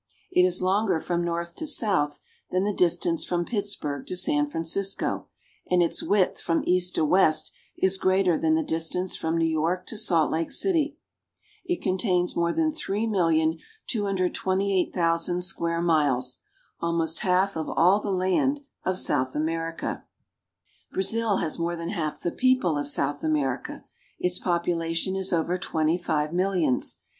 It is longer from north to south than the distance from Pittsburg to San Francisco, and its width from east to west is greater than the distance from New York to Salt Lake City. It contains more than 3,228,000 square miles, almost half of all the land of South America. Brazil has more than half the people of South America. Its population is over twenty five millions.